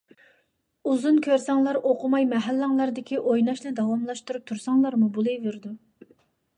ئۇزۇن كۆرسەڭلار ئوقۇماي مەھەللەڭلەردە ئويناشنى داۋاملاشتۇرۇپ تۇرساڭلارمۇ بولۇۋېرىدۇ.